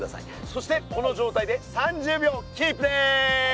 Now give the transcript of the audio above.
そしてこのじょうたいで３０秒キープです。